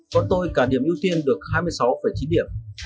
còn tôi cả điểm ưu tiên được hai mươi sáu chín điểm